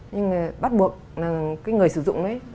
nhưng bắt buộc là người sử dụng đấy